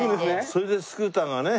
それでスクーターがね。